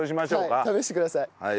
はい試してください。